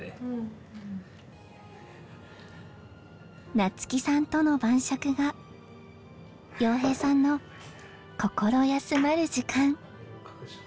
なつきさんとの晩酌が洋平さんの心休まる時間。